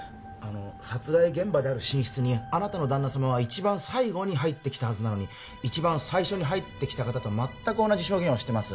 殺害現場である寝室にあなたの旦那様は一番最後に入ってきたはずなのに一番最初に入ってきた方と全く同じ証言をしてます